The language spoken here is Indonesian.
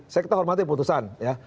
saya kita hormati putusan ya